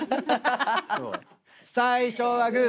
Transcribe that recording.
最初はグー。